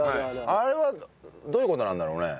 あれはどういう事なんだろうね？